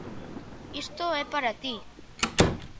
_Isto é para ti.